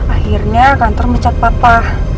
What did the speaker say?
akhirnya kantor mecat papa